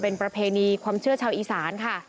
เป็นประเพณีความเชื่อชาวอีสานค่ะ